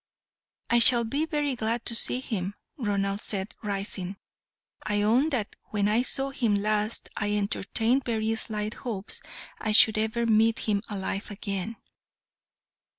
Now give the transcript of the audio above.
"I shall be very glad to see him," Ronald said, rising. "I own that when I saw him last I entertained very slight hopes I should ever meet him alive again."